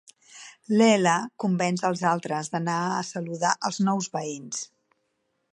Leela convenç els altres d'anar a saludar els nous veïns.